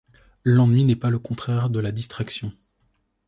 L'ennui n'est pas le contraire de la distraction.